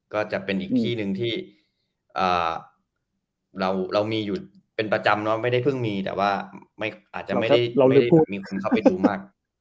ก็จะเป็นอีกที่หนึ่งที่เรามีอยู่เป็นประจำเนอะไม่ได้เพิ่งมีแต่ว่าอาจจะไม่ได้แบบมีคนเข้าไปดูมาก